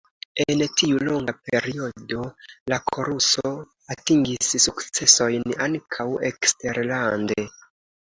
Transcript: En tiu longa periodo la koruso atingis sukcesojn ankaŭ eksterlande.